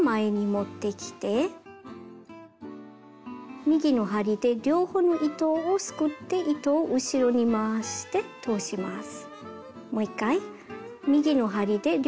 もう一回右の針で両方をすくって後ろに回して通します。